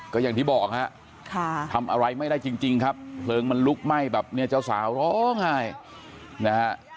ก็อย่างที่บอกฮะทำอะไรไม่ได้จริงครับเพลิงมันลุกไหม้แบบนี้เจ้าสาวร้องไห้นะฮะ